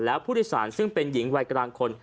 แล้วผู้โดยสารซึ่งเป็นหญิงวัยกลางคน